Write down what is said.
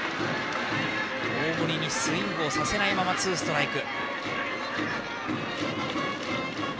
大森にスイングをさせないままツーストライク。